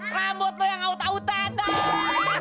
rambut lu yang auta uta dah